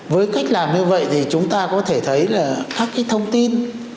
với cách làm như vậy thì chúng ta có thể thấy là các cái thông tin